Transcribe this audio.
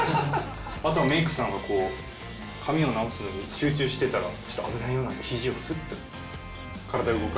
あとはメイクさんがこう髪を直してた時集中してたらちょっと危ないよなんて肘をすっと体動か